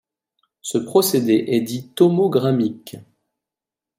Ce procédé est dit tomogrammique.